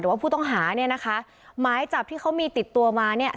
ว่าผู้ต้องหาเนี่ยนะคะหมายจับที่เขามีติดตัวมาเนี่ย